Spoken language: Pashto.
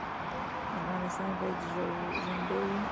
افغانستان باید ژوندی وي